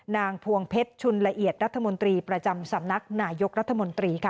พวงเพชรชุนละเอียดรัฐมนตรีประจำสำนักนายกรัฐมนตรีค่ะ